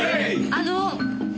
あの。